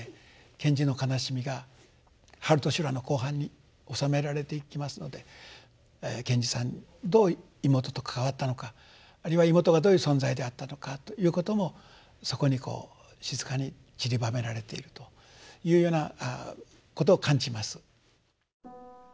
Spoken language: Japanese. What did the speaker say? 賢治の悲しみが「春と修羅」の後半に収められていきますので賢治さんどう妹と関わったのかあるいは妹がどういう存在であったのかということもそこにこう静かにちりばめられているというようなことを感じます。